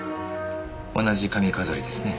同じ髪飾りですね。